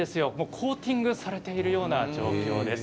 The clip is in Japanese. コーティングされているような状況です。